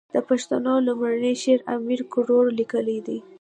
د پښتو لومړنی شعر امير کروړ ليکلی ده.